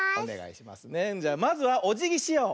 じゃまずはおじぎしよう。